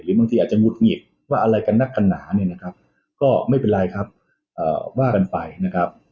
บางทีอาจจะหุดหงิดว่าอะไรกันนักกันหนาเนี่ยนะครับก็ไม่เป็นไรครับว่ากันไปนะครับ